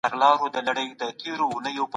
علامه رشاد د کندهار د پخواني عظمت یادوونکی وو.